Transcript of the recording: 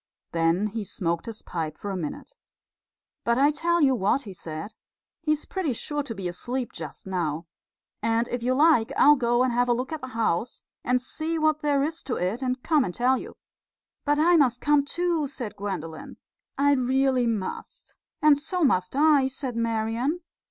Then he smoked his pipe for a minute. "But I tell you what," he said. "He's pretty sure to be asleep just now. And if you like I'll go and have a look at the house, and see what there is to it, and come and tell you." "But I must come too," said Gwendolen. "I really must." "And so must I," said Marian.